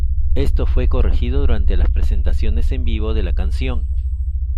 Esto fue corregido durante las presentaciones en vivo de la canción.